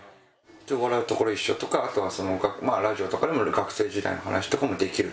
笑うところ一緒とかあとはラジオとかでも学生時代の話とかもできるとか。